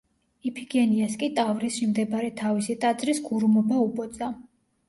იფიგენიას კი ტავრისში მდებარე თავისი ტაძრის ქურუმობა უბოძა.